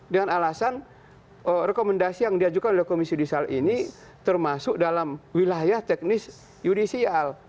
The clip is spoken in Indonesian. dengan alasan rekomendasi yang diajukan oleh komisi judisial ini termasuk dalam wilayah teknis yudisial